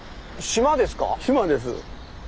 島です。